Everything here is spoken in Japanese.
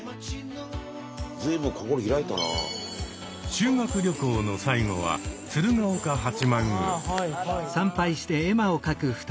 修学旅行の最後は鶴岡八幡宮。